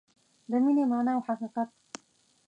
د مینې مانا او حقیقت